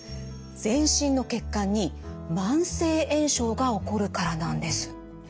全身の血管に慢性炎症が起こるからなんです。